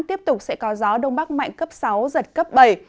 tiếp tục sẽ có gió đông bắc mạnh cấp sáu giật cấp bảy